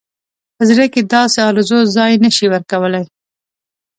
په زړه کې داسې آرزو ځای نه شي ورکولای.